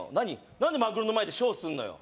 何でマグロの前でショーすんのよ